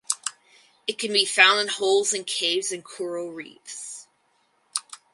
It can be found in holes and caves in coral reefs.